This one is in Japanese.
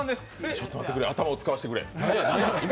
ちょっと待ってくれ、頭を使わせてくれ。